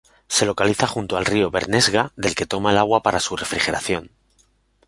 Se localiza junto al río Bernesga, del que toma el agua para su refrigeración.